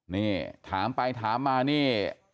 นี่ถามไปถามมานี่